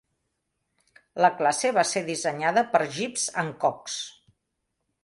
La classe va ser dissenyada per Gibbs and Cox.